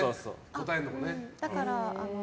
答えるのもね。